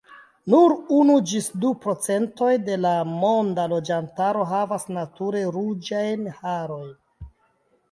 Nur unu ĝis du procentoj de la monda loĝantaro havas nature ruĝajn harojn.